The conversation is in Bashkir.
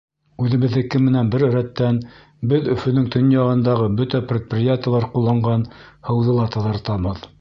Үҙебеҙҙеке менән бер рәттән, беҙ Өфөнөң төньяғындағы бөтә предприятиелар ҡулланған һыуҙы ла таҙартабыҙ.